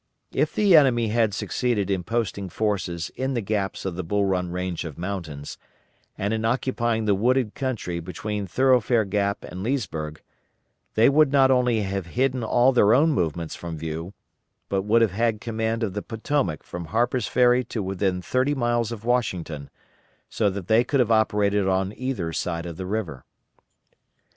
If the enemy had succeeded in posting forces in the gaps of the Bull Run range of mountains, and in occupying the wooded country between Thoroughfare Gap and Leesburg, they would not only have hidden all their own movements from view, but would have had command of the Potomac from Harper's Ferry to within thirty miles of Washington, so that they could have operated on either side of the river.